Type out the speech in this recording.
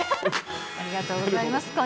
ありがとうございます。